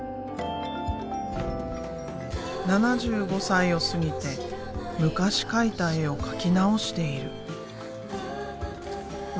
７５歳を過ぎて昔描いた絵を描き直している。